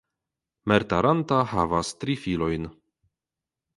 Mertaranta havas tri filojn.